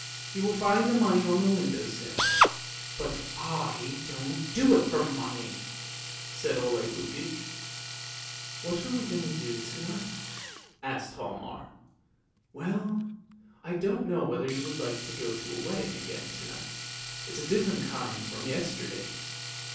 You will find the money on the window sill.' But I don't do it for money! " said 016 Lukoie\ " What are we going to do to night? " asked Hialmar. " Well, I don't know whether you would like to go to a wedding again to night; it's a different kind from yesterday's.